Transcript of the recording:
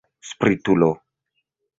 Spritulo!